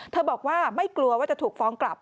บอกว่าไม่กลัวว่าจะถูกฟ้องกลับ